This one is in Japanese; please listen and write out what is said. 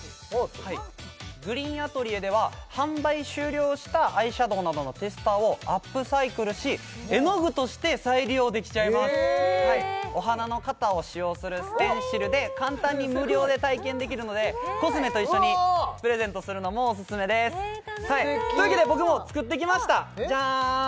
ＧＲＥＥＮＡＴＥＬＩＥＲでは販売終了したアイシャドウなどのテスターをアップサイクルし絵の具として再利用できちゃいますお花の型を使用するステンシルで簡単に無料で体験できるのでコスメと一緒にプレゼントするのもオススメですというわけで僕も作ってきましたじゃーん！